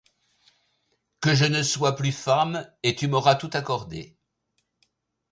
Que je ne sois plus femme, et tu m'auras tout accordé.